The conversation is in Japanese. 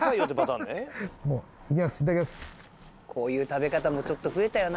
こういう食べ方もちょっと増えたよな。